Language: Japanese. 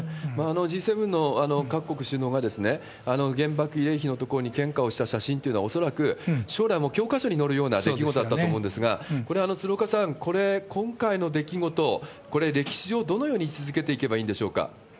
Ｇ７の各国首脳が原爆慰霊碑の所に献花をした写真っていうのは、恐らく将来も教科書に載るような出来事だったと思うんですが、これ、鶴岡さん、今回の出来事、これ、歴史上、どのように位置づけていけばいいんでしょうか？